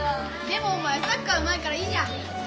でもお前サッカーうまいからいいじゃん！